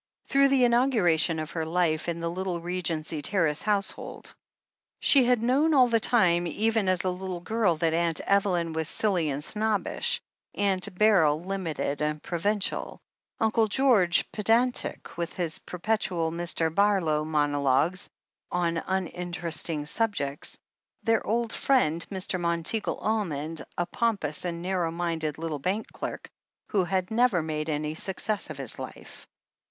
Through the inauguration of her life in the little Re gency Terrace household. She had known all the time, even as a little girl, that Aunt Evelyn was silly and snobbish, Aunt Beryl limited and provincial, Uncle George pedantic with his per petual Mr. Barlow monologues on uninteresting sub jects, their old friend, Mr. Monteagle Almond, a pom pous and narrow minded little bank clerk, who had never made any success of his life.